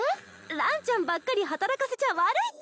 ランちゃんばっかり働かせちゃ悪いっちゃ。